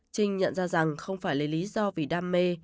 trinh nhận ra rằng không phải lấy lý do vì đam mê